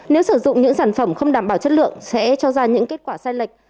nếu sử dụng những sản phẩm không đảm bảo chất lượng sẽ cho ra những kết quả sai lệch